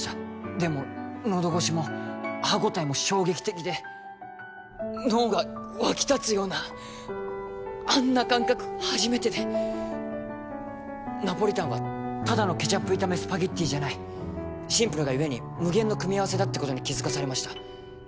でものどごしも歯応えも衝撃的で脳が沸き立つようなあんな感覚初めてでナポリタンはただのケチャップ炒めスパゲティじゃないシンプルがゆえに無限の組み合わせだってことに気づかされました